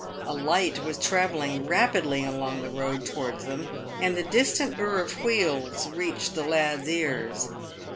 A light was travelling rapidly along the road towards them, and the distant burr of wheels reached the lads' ears.